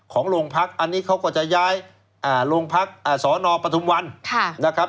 ของโลงพรรคอันนี้เขาก็จะย้ายโลงพรรคสนพวนะครับ